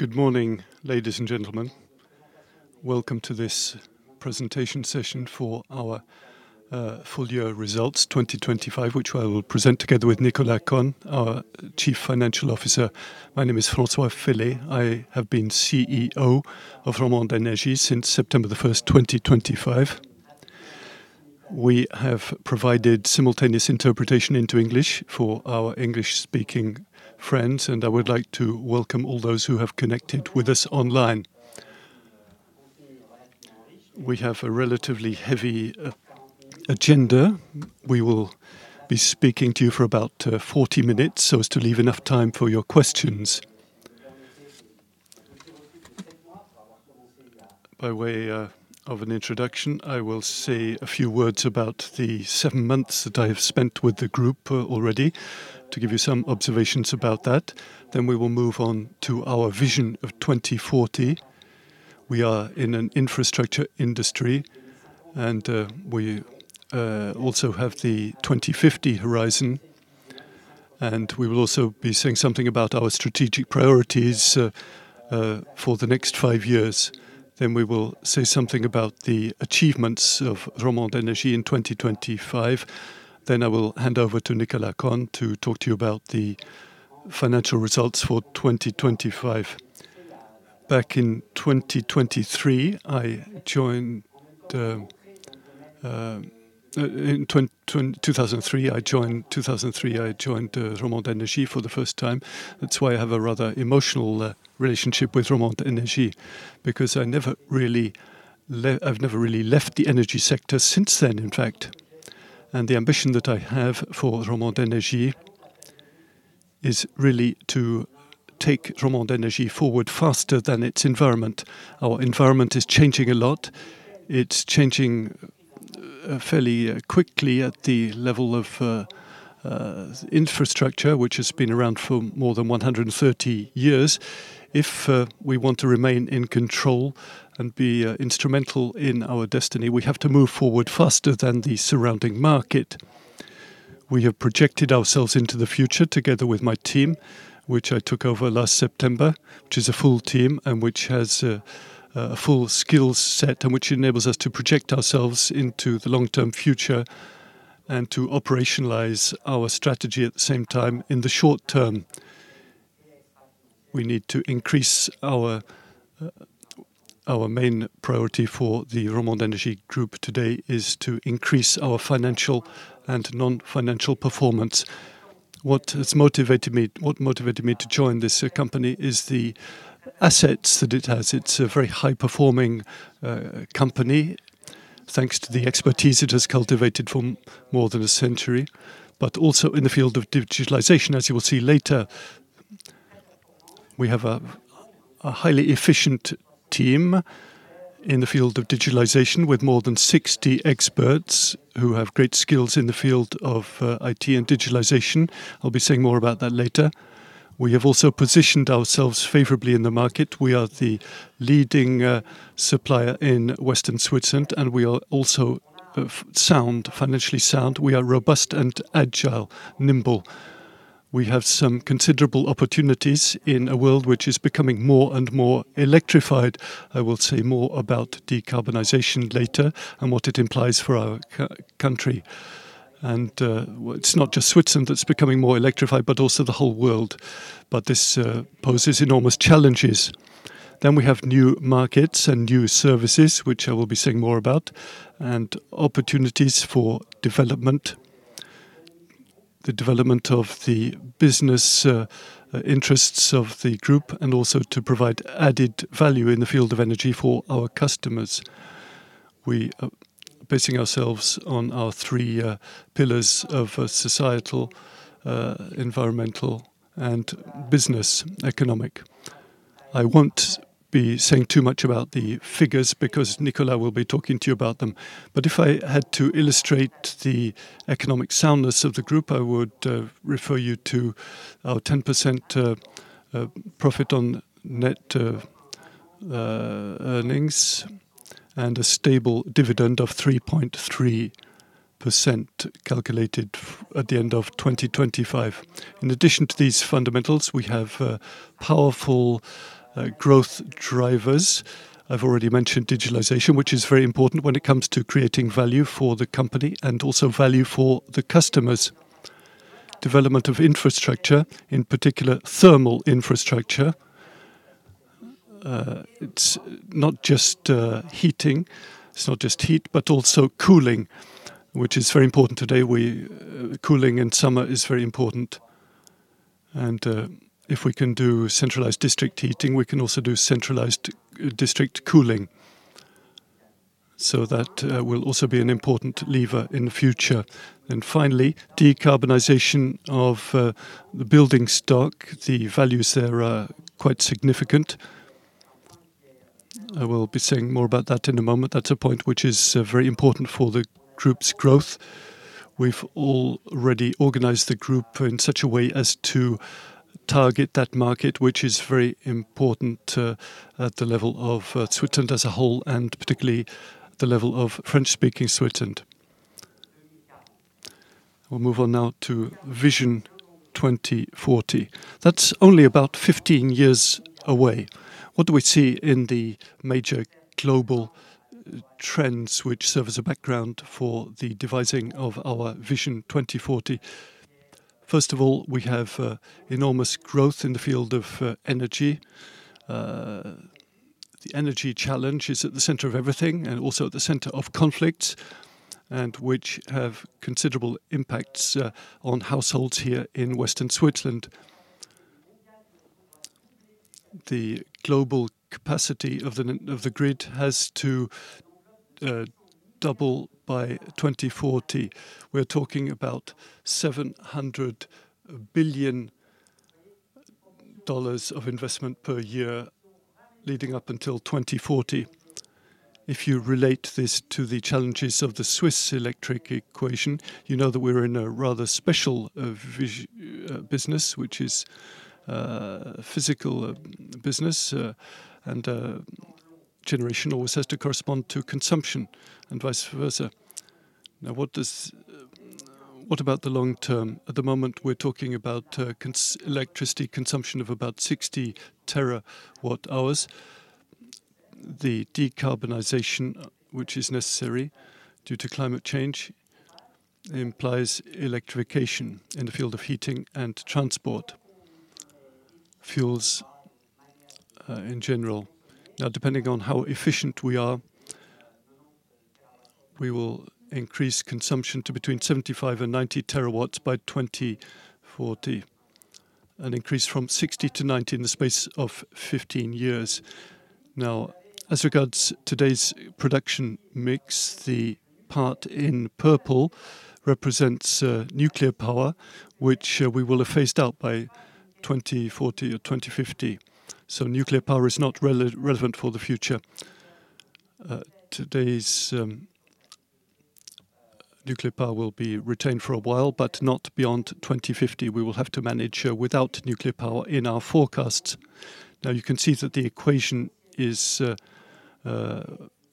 Good morning, ladies and gentlemen. Welcome to this presentation session for our full-year results 2025, which I will present together with Nicolas Conne, our Chief Financial Officer. My name is François Fellay. I have been CEO of Romande Energie since September 1st, 2025. We have provided simultaneous interpretation into English for our English-speaking friends, and I would like to welcome all those who have connected with us online. We have a relatively heavy agenda. We will be speaking to you for about 40 minutes so as to leave enough time for your questions. By way of an introduction, I will say a few words about the seven months that I have spent with the group already to give you some observations about that. Then we will move on to our Vision 2040. We are in an infrastructure industry, and we also have the 2050 horizon. We will also be saying something about our strategic priorities for the next five years. We will say something about the achievements of Romande Energie in 2025. I will hand over to Nicolas Conne to talk to you about the financial results for 2025. Back in 2003, I joined Romande Energie for the first time. That's why I have a rather emotional relationship with Romande Energie, because I've never really left the energy sector since then, in fact. The ambition that I have for Romande Energie is really to take Romande Energie forward faster than its environment. Our environment is changing a lot. It's changing fairly quickly at the level of infrastructure, which has been around for more than 130 years. If we want to remain in control and be instrumental in our destiny, we have to move forward faster than the surrounding market. We have projected ourselves into the future together with my team, which I took over last September, which is a full team and which has a full skill set, and which enables us to project ourselves into the long-term future and to operationalize our strategy at the same time in the short term. Our main priority for the Romande Energie Group today is to increase our financial and non-financial performance. What motivated me to join this company is the assets that it has. It's a very high-performing company thanks to the expertise it has cultivated for more than a century, but also in the field of digitalization, as you will see later. We have a highly efficient team in the field of digitalization with more than 60 experts who have great skills in the field of IT and digitalization. I'll be saying more about that later. We have also positioned ourselves favorably in the market. We are the leading supplier in Western Switzerland, and we are also financially sound. We are robust and agile, nimble. We have some considerable opportunities in a world which is becoming more and more electrified. I will say more about decarbonization later and what it implies for our country. It's not just Switzerland that's becoming more electrified, but also the whole world. This poses enormous challenges. We have new markets and new services, which I will be saying more about, and opportunities for development, the development of the business interests of the group, and also to provide added value in the field of energy for our customers. We are basing ourselves on our three pillars of societal, environmental, and business economic. I won't be saying too much about the figures because Nicolas will be talking to you about them. If I had to illustrate the economic soundness of the group, I would refer you to our 10% profit on net earnings and a stable dividend of 3.3% calculated at the end of 2025. In addition to these fundamentals, we have powerful growth drivers. I've already mentioned digitalization, which is very important when it comes to creating value for the company and also value for the customers, development of infrastructure, in particular, thermal infrastructure. It's not just heat, but also cooling, which is very important today. Cooling in summer is very important, and if we can do centralized district heating, we can also do centralized district cooling. That will also be an important lever in the future. Finally, decarbonization of the building stock, the values there are quite significant. I will be saying more about that in a moment. That's a point which is very important for the group's growth. We've already organized the group in such a way as to target that market, which is very important at the level of Switzerland as a whole, and particularly the level of French-speaking Switzerland. We'll move on now to Vision 2040. That's only about 15 years away. What do we see in the major global trends which serve as a background for the devising of our Vision 2040? First of all, we have enormous growth in the field of energy. The energy challenge is at the center of everything, and also at the center of conflict, and which have considerable impacts on households here in Western Switzerland. The global capacity of the grid has to double by 2040. We're talking about $700 billion of investment per year leading up until 2040. If you relate this to the challenges of the Swiss electric equation, you know that we're in a rather special business, which is a physical business, and generation always has to correspond to consumption and vice versa. Now, what about the long term? At the moment, we're talking about electricity consumption of about 60 TWh. The decarbonization, which is necessary due to climate change, implies electrification in the field of heating and transport fuels in general. Now, depending on how efficient we are, we will increase consumption to between 75 and 90 TWh by 2040. An increase from 60 to 90 TWh in the space of 15 years. Now, as regards today's production mix, the part in purple represents nuclear power, which we will have phased out by 2040 or 2050. Nuclear power is not relevant for the future. Today's nuclear power will be retained for a while, but not beyond 2050. We will have to manage without nuclear power in our forecast. Now, you can see that the generation is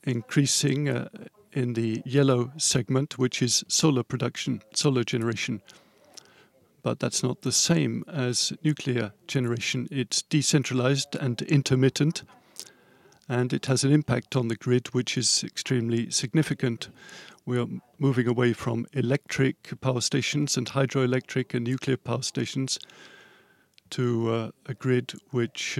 increasing in the yellow segment, which is solar production, solar generation, but that's not the same as nuclear generation. It's decentralized and intermittent, and it has an impact on the grid, which is extremely significant. We are moving away from electric power stations and hydroelectric and nuclear power stations to a grid which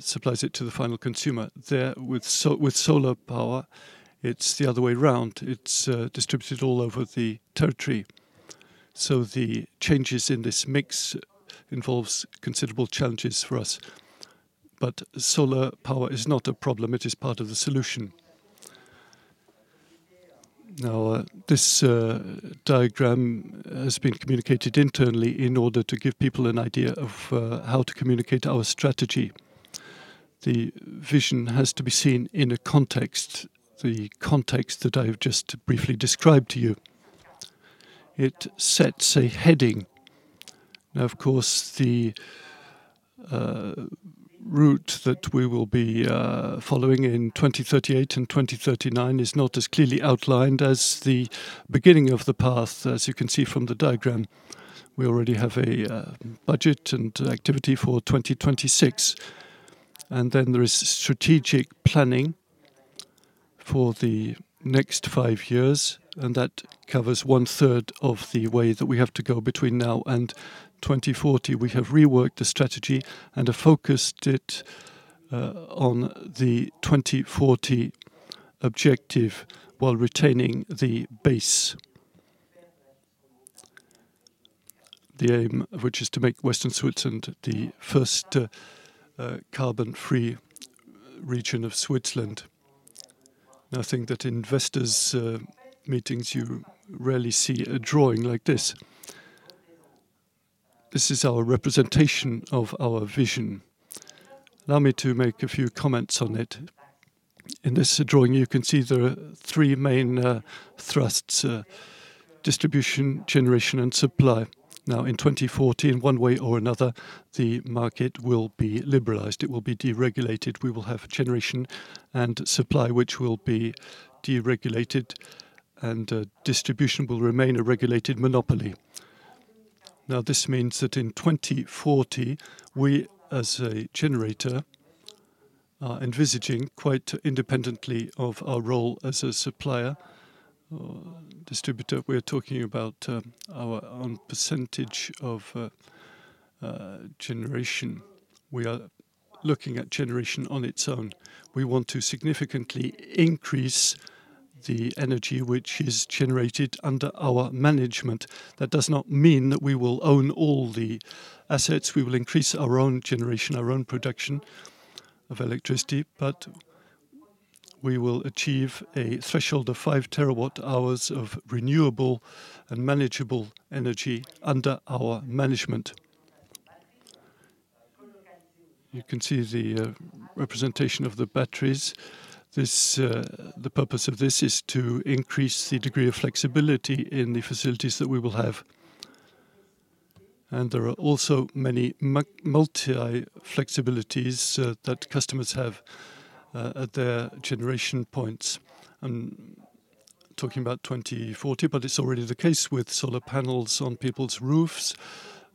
supplies it to the final consumer. There, with solar power, it's the other way around. It's distributed all over the territory. The changes in this mix involves considerable challenges for us. Solar power is not a problem, it is part of the solution. Now, this diagram has been communicated internally in order to give people an idea of how to communicate our strategy. The vision has to be seen in a context, the context that I have just briefly described to you. It sets a heading. Now, of course, the route that we will be following in 2038 and 2039 is not as clearly outlined as the beginning of the path. As you can see from the diagram, we already have a budget and activity for 2026, and then there is strategic planning for the next five years, and that covers one third of the way that we have to go between now and 2040. We have reworked the strategy and focused it on the 2040 objective while retaining the base. The aim of which is to make Western Switzerland the first carbon-free region of Switzerland. Now, I think that in investors' meetings, you rarely see a drawing like this. This is our representation of our vision. Allow me to make a few comments on it. In this drawing, you can see there are three main thrusts: distribution, generation, and supply. Now, in 2040, in one way or another, the market will be liberalized. It will be deregulated. We will have generation and supply, which will be deregulated, and distribution will remain a regulated monopoly. Now, this means that in 2040, we, as a generator, are envisaging quite independently of our role as a supplier or distributor. We're talking about our own percentage of generation. We are looking at generation on its own. We want to significantly increase the energy which is generated under our management. That does not mean that we will own all the assets. We will increase our own generation, our own production of electricity, but we will achieve a threshold of 5 TWh of renewable and manageable energy under our management. You can see the representation of the batteries. The purpose of this is to increase the degree of flexibility in the facilities that we will have. There are also many multiple flexibilities that customers have at their generation points. I'm talking about 2040, but it's already the case with solar panels on people's roofs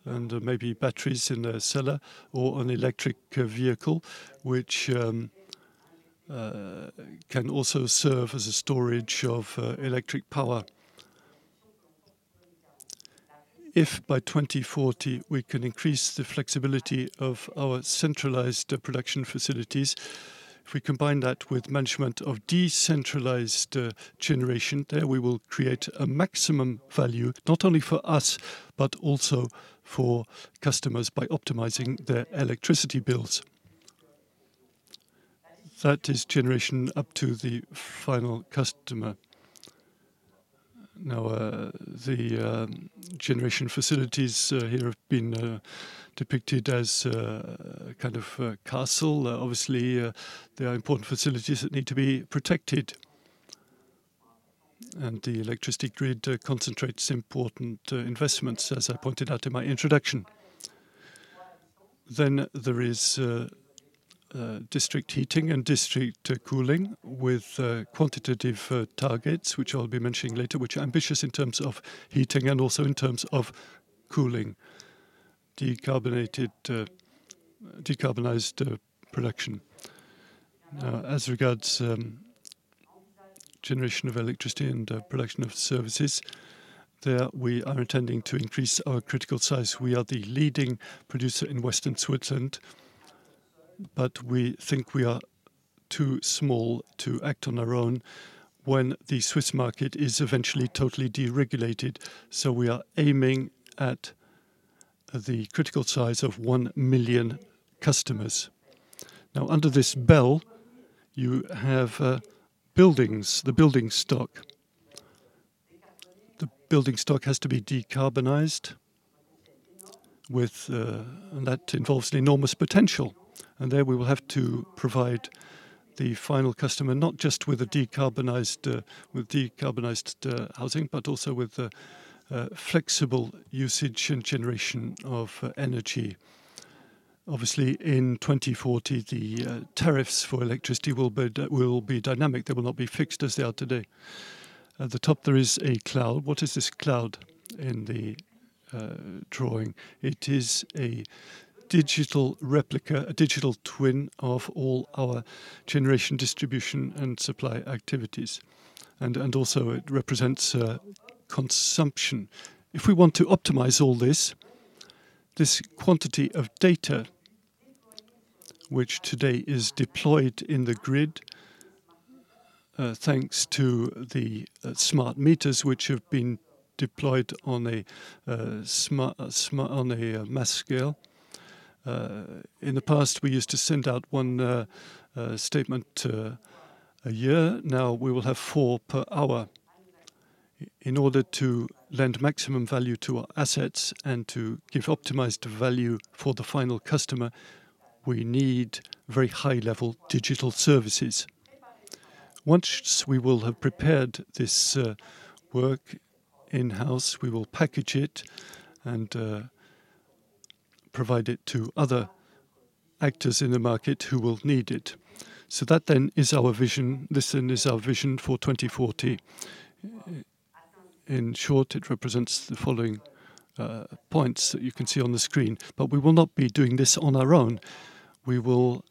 and maybe batteries in the cellar or an electric vehicle, which can also serve as a storage of electric power. If by 2040 we can increase the flexibility of our centralized production facilities, if we combine that with management of decentralized generation, there we will create a maximum value, not only for us, but also for customers by optimizing their electricity bills. That is generation up to the final customer. Now, the generation facilities here have been depicted as a kind of a castle. Obviously, they are important facilities that need to be protected. The electricity grid concentrates important investments, as I pointed out in my introduction. There is district heating and district cooling with quantitative targets, which I'll be mentioning later, which are ambitious in terms of heating and also in terms of cooling. Decarbonized production. As regards generation of electricity and production of services, there we are intending to increase our critical size. We are the leading producer in Western Switzerland, but we think we are too small to act on our own when the Swiss market is eventually totally deregulated. We are aiming at the critical size of 1 million customers. Now, under this bell, you have buildings, the building stock. The building stock has to be decarbonized, and that involves an enormous potential. There we will have to provide the final customer, not just with decarbonized housing, but also with flexible usage and generation of energy. Obviously, in 2040, the tariffs for electricity will be dynamic. They will not be fixed as they are today. At the top, there is a cloud. What is this cloud in the drawing? It is a digital replica, a digital twin of all our generation, distribution, and supply activities. It also represents consumption. If we want to optimize all this quantity of data, which today is deployed in the grid, thanks to the smart meters, which have been deployed on a mass scale. In the past, we used to send out one statement a year. Now we will have four per hour. In order to lend maximum value to our assets and to give optimized value for the final customer, we need very high-level digital services. Once we will have prepared this work in-house, we will package it and provide it to other actors in the market who will need it. That then is our vision. This then is our Vision 2040. In short, it represents the following points that you can see on the screen. We will not be doing this on our own. We will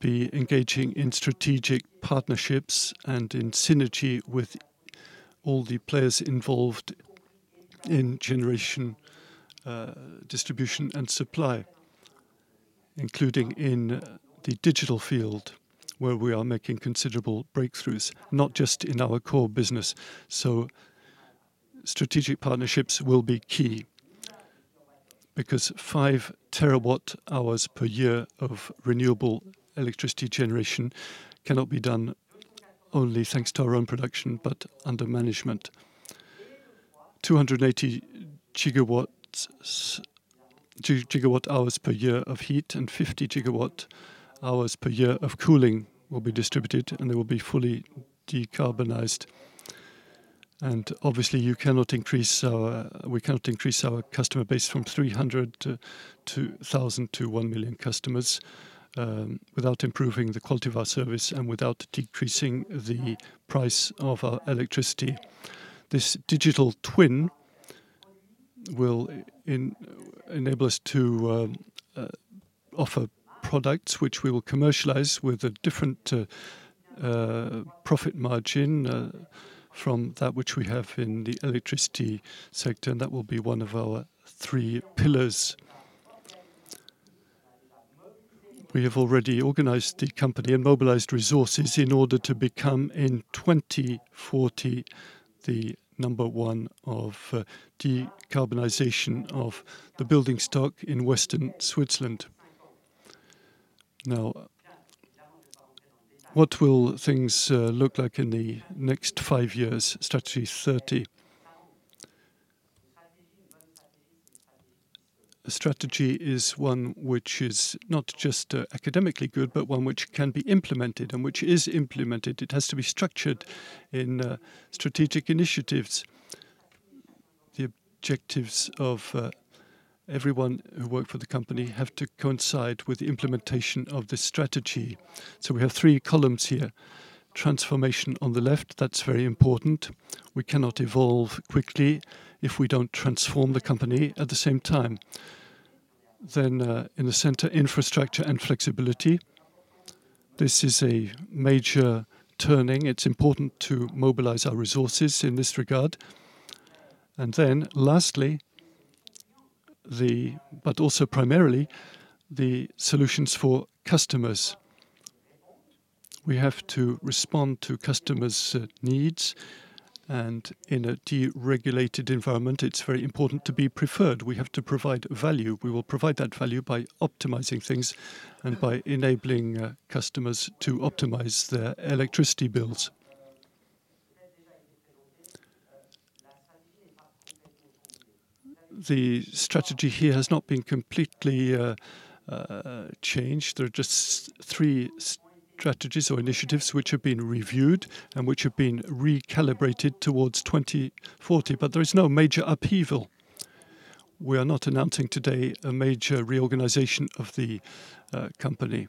be engaging in strategic partnerships and in synergy with all the players involved in generation, distribution, and supply, including in the digital field, where we are making considerable breakthroughs, not just in our core business. Strategic partnerships will be key, because 5 TWh per year of renewable electricity generation cannot be done only thanks to our own production, but under management. 280 GWh per year of heat and 50 GWh per year of cooling will be distributed, and they will be fully decarbonized. Obviously, we cannot increase our customer base from 300,000 to 1 million customers without improving the quality of our service and without decreasing the price of our electricity. This digital twin will enable us to offer products which we will commercialize with a different profit margin from that which we have in the electricity sector, and that will be one of our three pillars. We have already organized the company and mobilized resources in order to become, in 2040, the number one of decarbonization of the building stock in western Switzerland. Now, what will things look like in the next five years? Strategy 2030. The strategy is one which is not just academically good, but one which can be implemented and which is implemented. It has to be structured in strategic initiatives. The objectives of everyone who worked for the company have to coincide with the implementation of this strategy. We have three columns here. Transformation on the left, that's very important. We cannot evolve quickly if we don't transform the company at the same time. In the center, infrastructure and flexibility. This is a major turning. It's important to mobilize our resources in this regard. Lastly, but also primarily, the solutions for customers. We have to respond to customers' needs, and in a deregulated environment, it's very important to be preferred. We have to provide value. We will provide that value by optimizing things and by enabling customers to optimize their electricity bills. The strategy here has not been completely changed. There are just three strategies or initiatives which have been reviewed and which have been recalibrated towards 2040. There is no major upheaval. We are not announcing today a major reorganization of the company.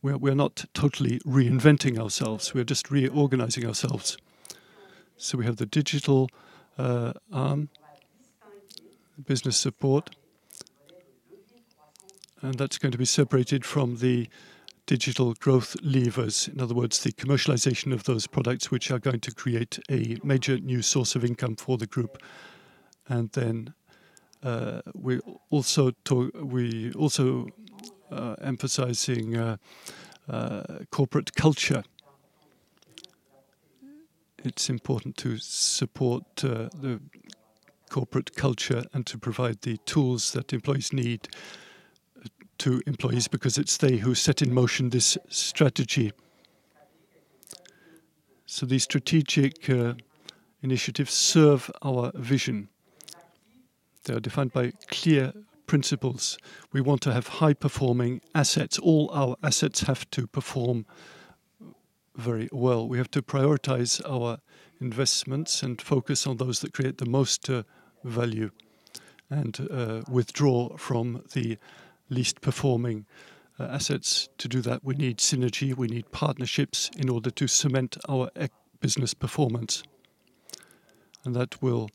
We're not totally reinventing ourselves. We are just reorganizing ourselves. We have the digital arm, business support, and that's going to be separated from the digital growth levers. In other words, the commercialization of those products, which are going to create a major new source of income for the group. We are also emphasizing corporate culture. It's important to support the corporate culture and to provide the tools that employees need because it's they who set in motion this strategy. The strategic initiatives serve our vision. They are defined by clear principles. We want to have high-performing assets. All our assets have to perform very well. We have to prioritize our investments and focus on those that create the most value and withdraw from the least-performing assets. To do that, we need synergy, we need partnerships in order to cement our business performance. That will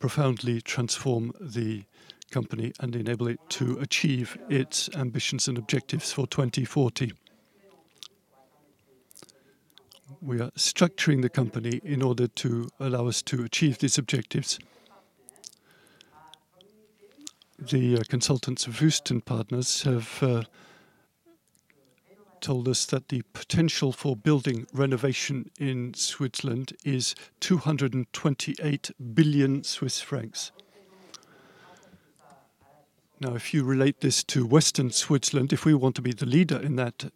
profoundly transform the company and enable it to achieve its ambitions and objectives for 2040. We are structuring the company in order to allow us to achieve these objectives. The consultants of Houston Partners have told us that the potential for building renovation in Switzerland is CHF 228 billion. Now, if you relate this to Western Switzerland, if we want to be the leader in that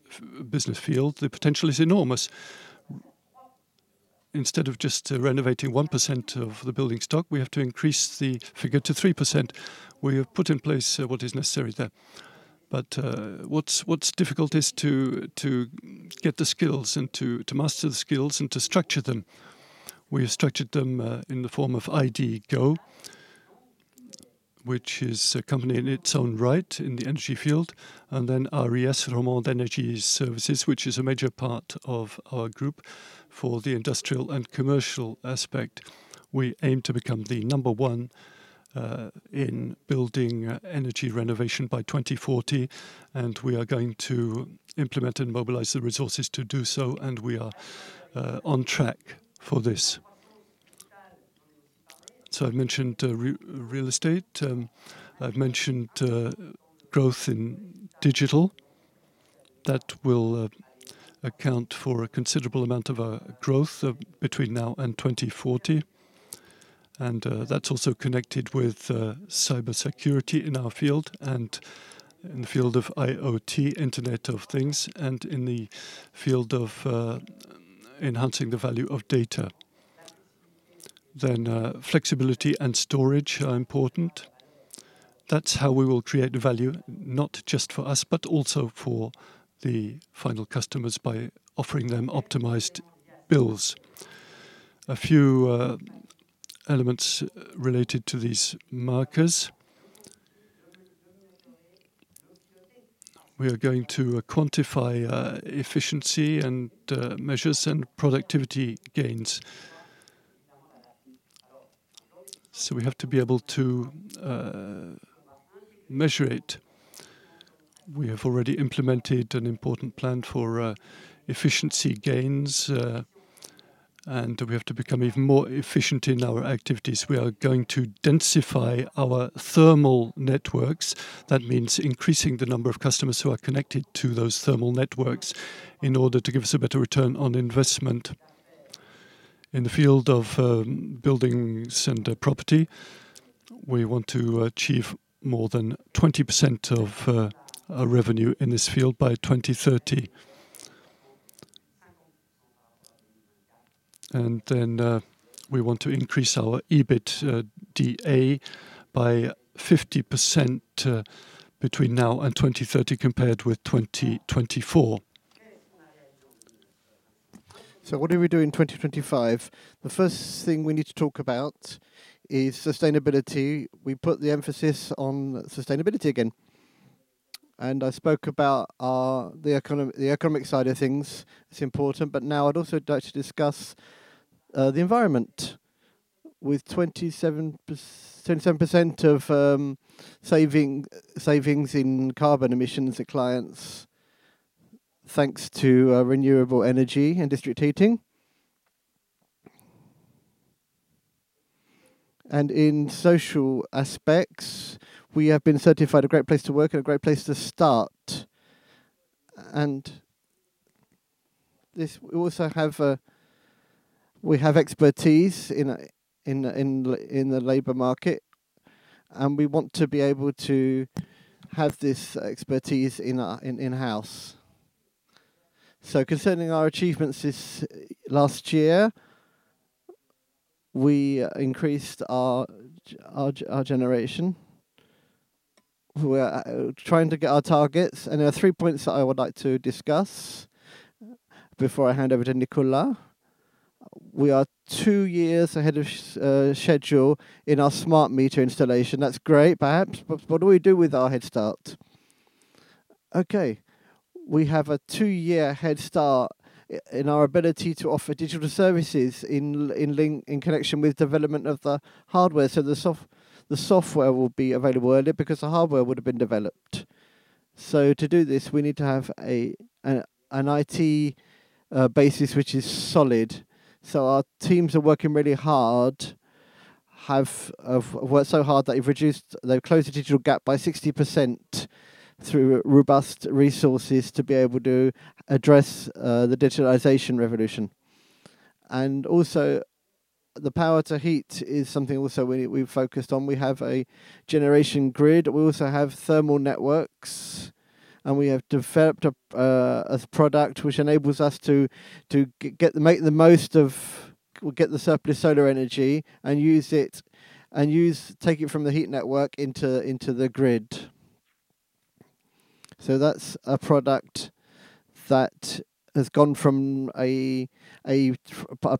business field, the potential is enormous. Instead of just renovating 1% of the building stock, we have to increase the figure to 3%. We have put in place what is necessary there. But what's difficult is to get the skills and to master the skills and to structure them. We have structured them in the form of IDGO, which is a company in its own right in the energy field, and then RES, Romande Energie Services, which is a major part of our group for the industrial and commercial aspect. We aim to become the number one in building energy renovation by 2040, and we are going to implement and mobilize the resources to do so, and we are on track for this. I've mentioned real estate. I've mentioned growth in digital. That will account for a considerable amount of our growth between now and 2040. That's also connected with cybersecurity in our field and in the field of IoT, Internet of Things, and in the field of enhancing the value of data. Flexibility and storage are important. That's how we will create the value, not just for us, but also for the final customers by offering them optimized bills. A few elements related to these markers. We are going to quantify efficiency and measures and productivity gains. We have to be able to measure it. We have already implemented an important plan for efficiency gains, and we have to become even more efficient in our activities. We are going to densify our thermal networks. That means increasing the number of customers who are connected to those thermal networks in order to give us a better return on investment. In the field of buildings and property, we want to achieve more than 20% of our revenue in this field by 2030. Then we want to increase our EBITDA by 50% between now and 2030 compared with 2024. What do we do in 2025? The first thing we need to talk about is sustainability. We put the emphasis on sustainability again. I spoke about the economic side of things as important, but now I'd also like to discuss the environment. With 27% of savings in carbon emissions to clients, thanks to renewable energy and district heating. In social aspects, we have been certified Great Place to Work and Great Place to Start. We also have expertise in the labor market, and we want to be able to have this expertise in-house. Concerning our achievements this last year, we increased our generation. We are trying to get our targets, and there are three points that I would like to discuss before I hand over to Nicolas. We are two years ahead of schedule in our smart meter installation. That's great perhaps, but what do we do with our head start? Okay. We have a two-year head start in our ability to offer digital services in connection with development of the hardware. The software will be available earlier because the hardware would have been developed. To do this, we need to have an IT basis which is solid. Our teams are working really hard, have worked so hard that they've closed the digital gap by 60% through robust resources to be able to address the digitalization revolution. Also the power-to-heat is something also we've focused on. We have a generation grid, we also have thermal networks, and we have developed a product which enables us to get the surplus solar energy and take it from the heat network into the grid. That's a product that has gone from a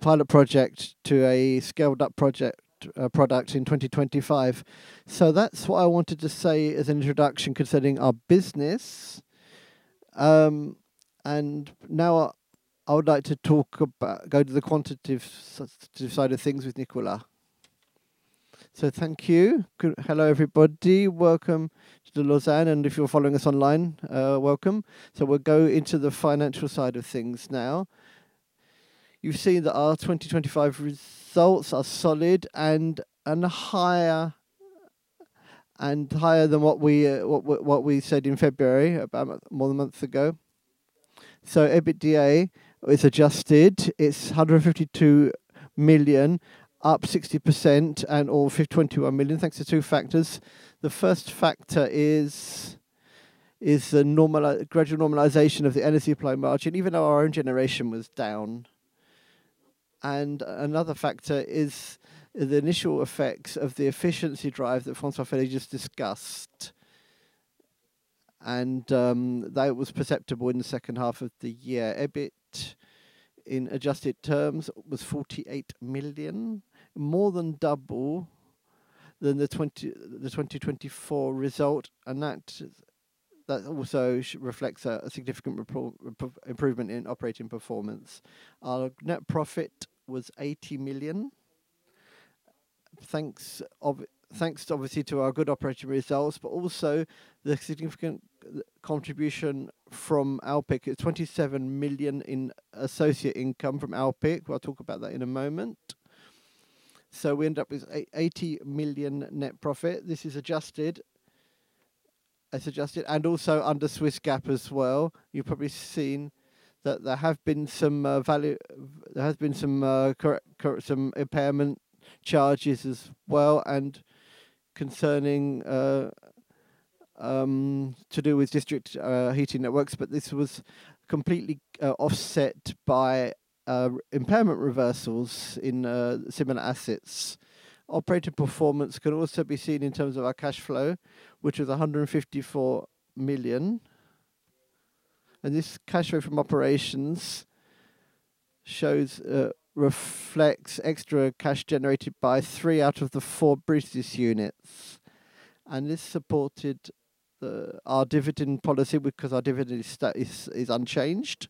pilot project to a scaled-up product in 2025. That's what I wanted to say as introduction concerning our business. Now I would like to go to the quantitative side of things with Nicolas. Thank you. Hello, everybody. Welcome to Lausanne, and if you're following us online, welcome. We'll go into the financial side of things now. You've seen that our 2025 results are solid and higher than what we said in February, about more than a month ago. EBITDA is adjusted. It's 152 million, up 60% or 21 million, thanks to two factors. The first factor is the gradual normalization of the energy supply margin, even though our own generation was down. Another factor is the initial effects of the efficiency drive that François Fellay just discussed. That was perceptible in the second half of the year. EBIT, in adjusted terms, was 48 million, more than double than the 2024 result, and that also reflects a significant improvement in operating performance. Our net profit was 80 million. Thanks obviously to our good operating results, but also the significant contribution from Alpiq, 27 million in associate income from Alpiq. We'll talk about that in a moment. We end up with 80 million net profit. This is adjusted. Also under Swiss GAAP as well, you've probably seen that there has been some impairment charges as well and concerning those to do with district heating networks, but this was completely offset by impairment reversals in similar assets. Operating performance can also be seen in terms of our cash flow, which was 154 million. This cash flow from operations reflects extra cash generated by three out of the four business units. This supported our dividend policy because our dividend status is unchanged.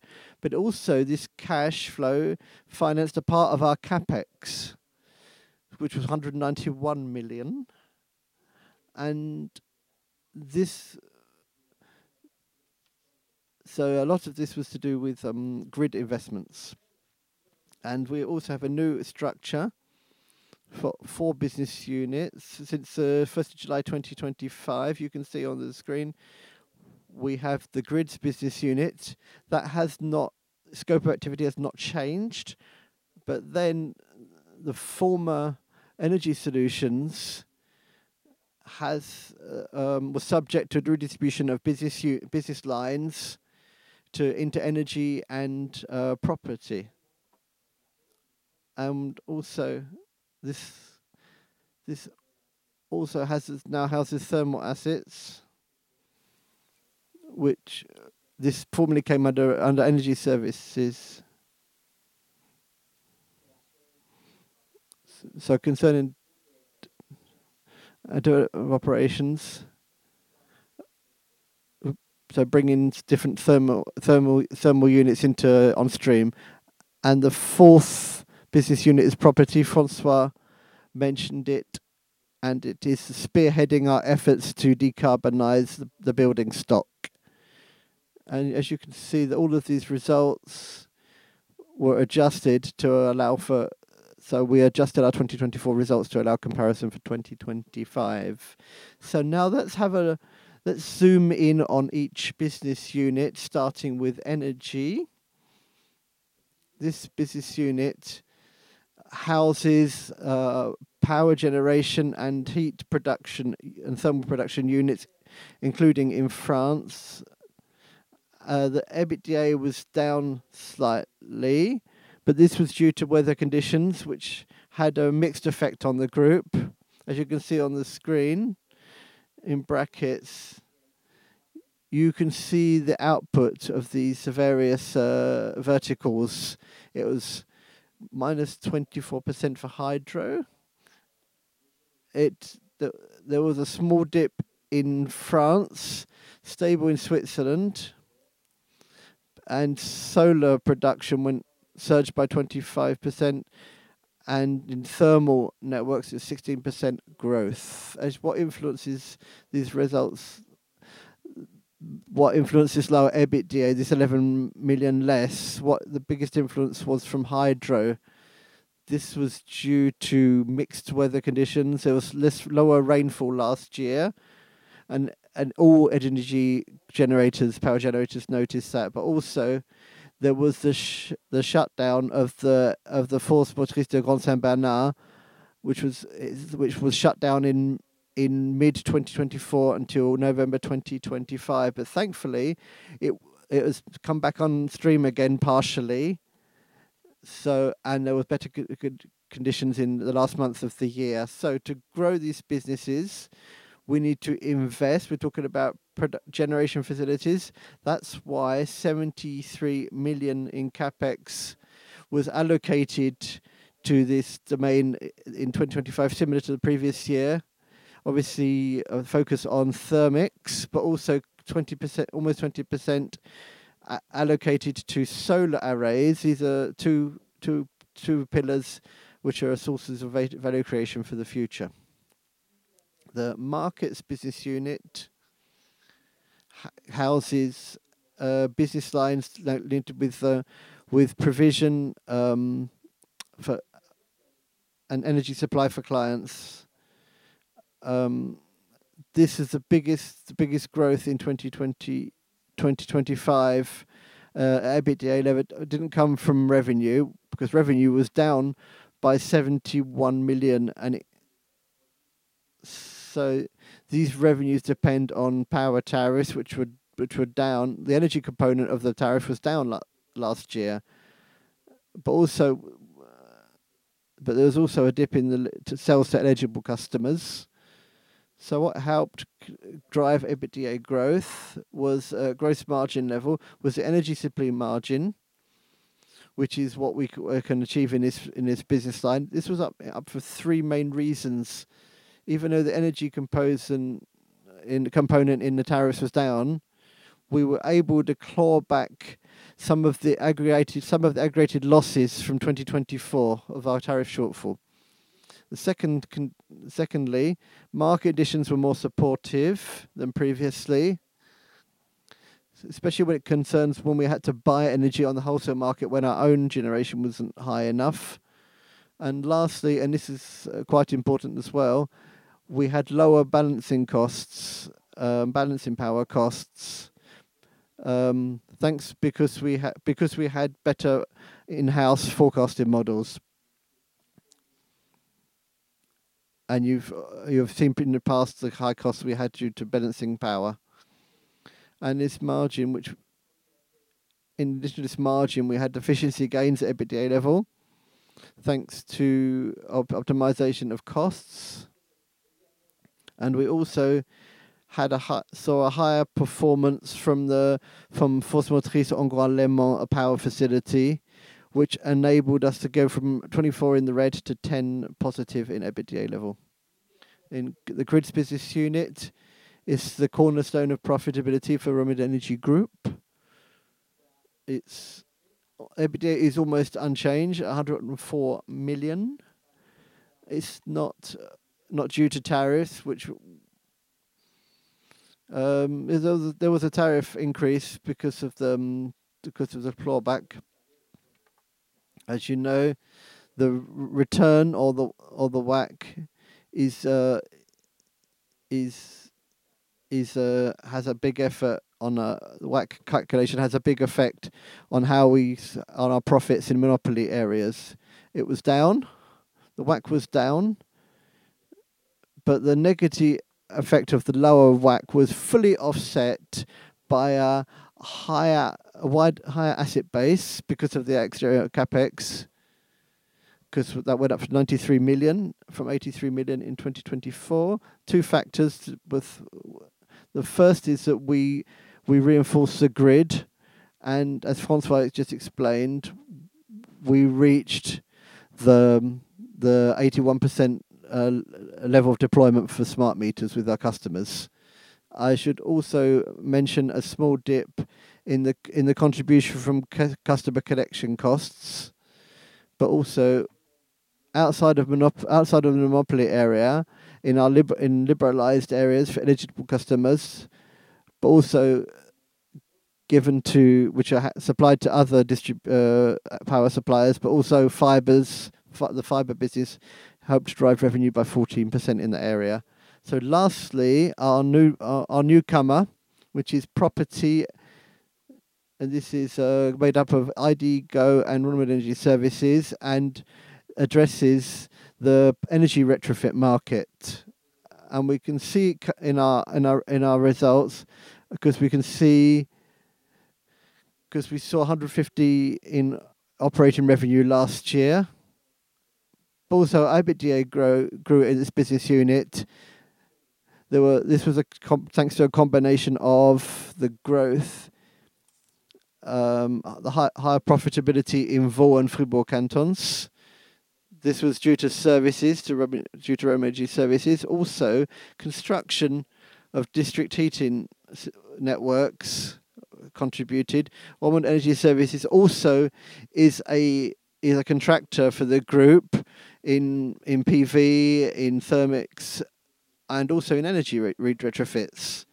Also this cash flow financed a part of our CapEx, which was CHF 191 million. A lot of this was to do with grid investments. We also have a new structure for business units. Since July 1st, 2025, you can see on the screen we have the Grids business unit, that scope or activity has not changed. The former Energy Solutions was subject to redistribution of business lines into Energy and Property. This also now houses thermal assets, which formerly came under energy services. Concerning operations, it is bringing different thermal units on stream. The fourth business unit is Property. François mentioned it, and it is spearheading our efforts to decarbonize the building stock. As you can see, all of these results were adjusted. We adjusted our 2024 results to allow comparison for 2025. Now let's zoom in on each business unit, starting with energy. This business unit houses power generation and heat production, and thermal production units, including in France. The EBITDA was down slightly, but this was due to weather conditions, which had a mixed effect on the group. As you can see on the screen, (you can see the output of these various verticals). It was -24% for hydro. There was a small dip in France, stable in Switzerland, and solar production surged by 25%, and in thermal networks, it was 16% growth. As what influences these results, what influences lower EBITDA, this 11 million less, the biggest influence was from hydro. This was due to mixed weather conditions. There was lower rainfall last year, and all energy generators, power generators noticed that. Also, there was the shutdown of the Forces Motrices du Grand-Saint-Bernard, which was shut down in mid-2024 until November 2025. Thankfully, it has come back on stream again, partially, and there was better conditions in the last months of the year. To grow these businesses, we need to invest. We're talking about generation facilities. That's why 73 million in CapEx was allocated to this domain in 2025, similar to the previous year. Obviously, a focus on thermics, but also almost 20% allocated to solar arrays. These are two pillars which are sources of value creation for the future. The markets business unit houses business lines linked with provision and energy supply for clients. This is the biggest growth in 2025. EBITDA level didn't come from revenue, because revenue was down by 71 million, and so these revenues depend on power tariffs, which were down. The energy component of the tariff was down last year. There was also a dip in the sales to eligible customers. What helped drive EBITDA growth was gross margin level, was the energy supply margin, which is what we can achieve in this business line. This was up for three main reasons. Even though the energy component in the tariffs was down, we were able to claw back some of the aggregated losses from 2024 of our tariff shortfall. Secondly, market conditions were more supportive than previously, especially when it concerns when we had to buy energy on the wholesale market when our own generation wasn't high enough. Lastly, and this is quite important as well, we had lower balancing power costs, because we had better in-house forecasting models. You've seen in the past the high costs we had due to balancing power. In addition to this margin, we had efficiency gains at EBITDA level, thanks to optimization of costs, and we also saw a higher performance from Forces Motrices d'Andrans-Léman power facility, which enabled us to go from 24 in the red to 10 positive in EBITDA level. In the grids business unit, it's the cornerstone of profitability for Romande Energie Group. Its EBITDA is almost unchanged, 104 million. It's not due to tariffs. There was a tariff increase because of the clawback. As you know, the return or the WACC has a big effect on a WACC calculation, has a big effect on our profits in monopoly areas. It was down, the WACC was down, but the negative effect of the lower WACC was fully offset by a higher asset base because of the extra CapEx, because that went up to 93 million from 83 million in 2024. Two factors. The first is that we reinforced the grid, and as François just explained, we reached the 81% level of deployment for smart meters with our customers. I should also mention a small dip in the contribution from customer connection costs, but also outside of the monopoly area, in liberalized areas for eligible customers, but also which are supplied to other power suppliers, but also the fiber business helped drive revenue by 14% in the area. Lastly, our newcomer, which is property, and this is made up of IDGO and Romande Energie Services, and addresses the energy retrofit market. We can see in our results, because we saw 150 in operating revenue last year. EBITDA grew in this business unit. This was thanks to a combination of the growth, the higher profitability in Vaud and Fribourg cantons. This was due to Romande Energie Services. Construction of district heating networks contributed. Romande Energie Services also is a contractor for the group in PV, in thermal, and also in energy retrofits.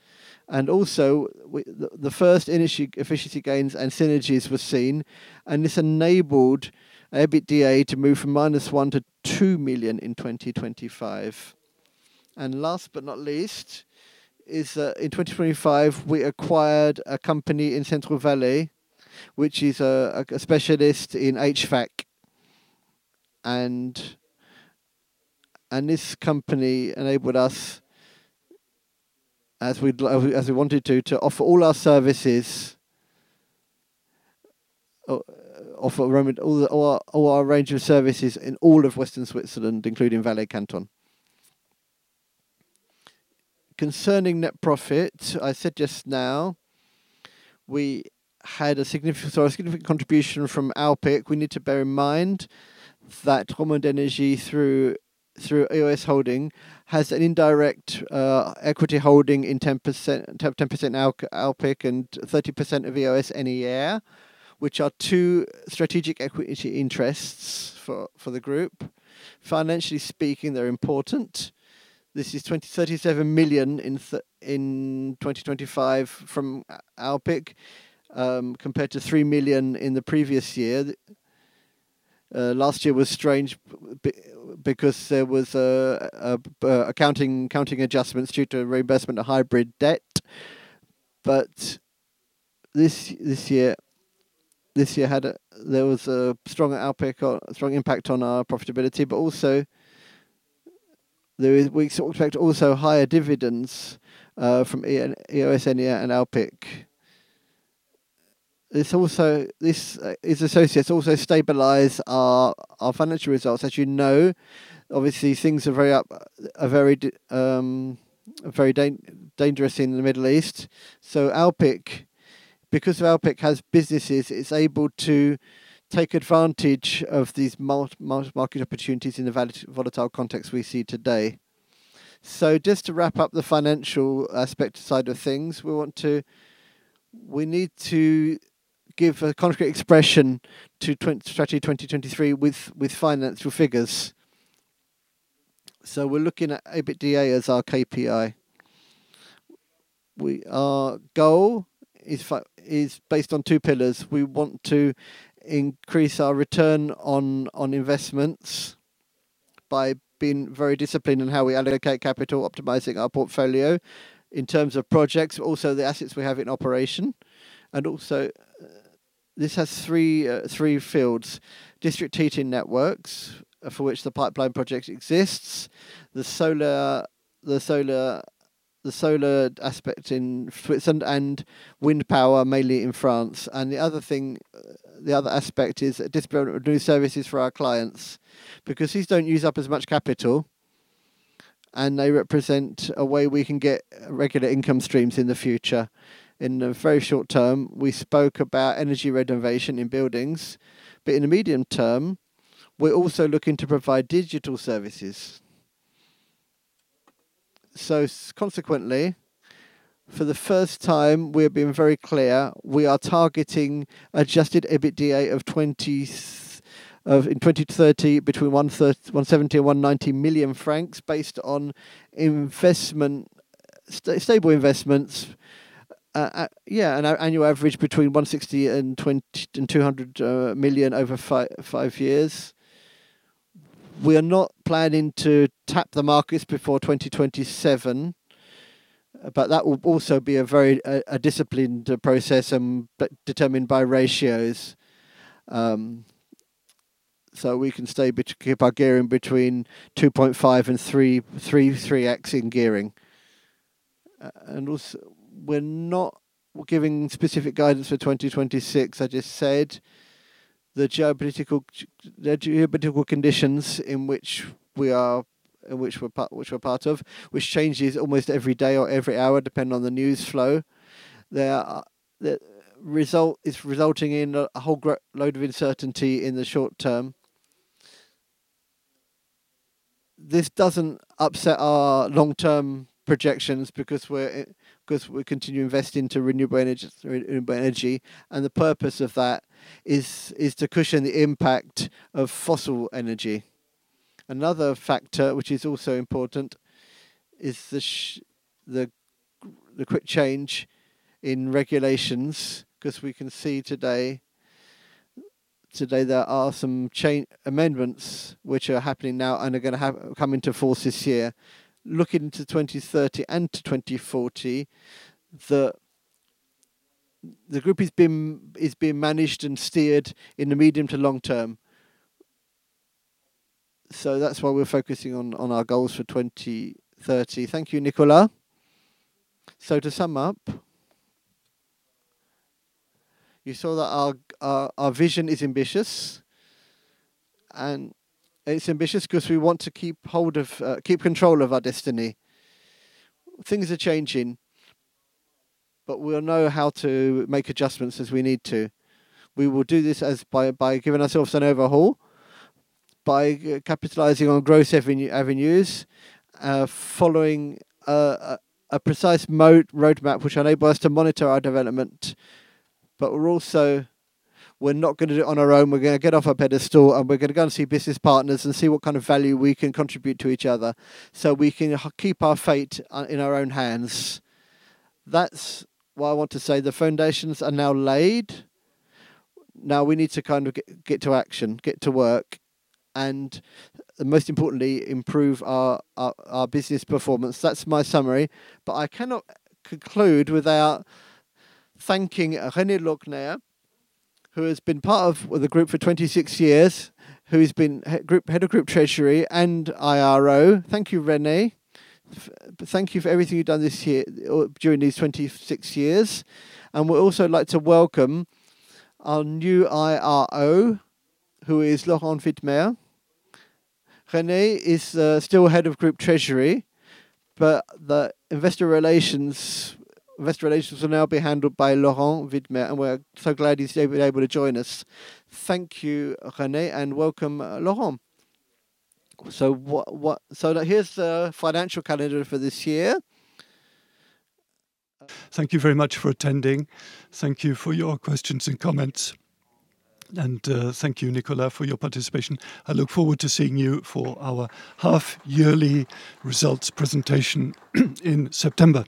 The first energy efficiency gains and synergies were seen, and this enabled EBITDA to move from -1 million-2 million in 2025. Last but not least, in 2025, we acquired a company in Central Valais, which is a specialist in HVAC. This company enabled us, as we wanted to offer all our range of services in all of Western Switzerland, including Valais canton. Concerning net profit, I said just now, we had a significant contribution from Alpiq. We need to bear in mind that Romande Energie, through EOS Holding, has an indirect equity holding in 10% Alpiq and 30% of EOS NER, which are two strategic equity interests for the group. Financially speaking, they're important. This is 37 million in 2025 from Alpiq, compared to 3 million in the previous year. Last year was strange because there was accounting adjustments due to reinvestment of hybrid debt. This year, there was a strong impact on our profitability, but also we expect also higher dividends from EOS NER and Alpiq. These associates also stabilize our financial results. As you know, obviously things are very dangerous in the Middle East. Because Alpiq has businesses, it's able to take advantage of these market opportunities in the volatile context we see today. Just to wrap up the financial aspect side of things, we need to give a concrete expression to Strategy 2023 with financial figures. We're looking at EBITDA as our KPI. Our goal is based on two pillars. We want to increase our return on investments by being very disciplined in how we allocate capital, optimizing our portfolio in terms of projects, also the assets we have in operation. Also, this has three fields: district heating networks, for which a pipeline of projects exists, the solar aspect in Switzerland, and wind power, mainly in France. The other aspect is distributed renewable services for our clients, because these don't use up as much capital, and they represent a way we can get regular income streams in the future. In the very short term, we spoke about energy renovation in buildings, but in the medium term, we're also looking to provide digital services. Consequently, for the first time, we've been very clear we are targeting adjusted EBITDA in 2030 between 170 million-190 million francs, based on stable investments. An annual average between 160 million-200 million over five years. We are not planning to tap the markets before 2027, but that will also be a very disciplined process, but determined by ratios. We can stay between, keep our gearing between 2.5x and 3x in gearing. Also, we're not giving specific guidance for 2026. I just said the geopolitical conditions in which we're part of, which changes almost every day or every hour, depending on the news flow, is resulting in a whole load of uncertainty in the short term. This doesn't upset our long-term projections because we continue investing to renewable energy, and the purpose of that is to cushion the impact of fossil energy. Another factor which is also important is the quick change in regulations, because we can see today there are some amendments which are happening now and are going to come into force this year. Looking to 2030 and to 2040, the group is being managed and steered in the medium to long term. That's why we're focusing on our goals for 2030. Thank you, Nicolas. To sum up, you saw that our vision is ambitious, and it's ambitious because we want to keep control of our destiny. Things are changing, but we'll know how to make adjustments as we need to. We will do this by giving ourselves an overhaul, by capitalizing on growth avenues, following a precise roadmap which will enable us to monitor our development. We're not going to do it on our own. We're going to get off our pedestal, and we're going to go and see business partners and see what kind of value we can contribute to each other so we can keep our fate in our own hands. That's why I want to say the foundations are now laid. Now we need to get to action, get to work, and most importantly, improve our business performance. That's my summary, but I cannot conclude without thanking René Lauck, who has been part of the group for 26 years, who has been Head of Group Treasury and IRO. Thank you, René. Thank you for everything you've done this year or during these 26 years. We'll also like to welcome our new IRO, who is Laurent Widmer. René is still head of group treasury, but the investor relations will now be handled by Laurent Widmer, and we're so glad he's able to join us. Thank you, René, and welcome, Laurent. Here's the financial calendar for this year. Thank you very much for attending. Thank you for your questions and comments. Thank you, Nicolas, for your participation. I look forward to seeing you for our half-yearly results presentation in September.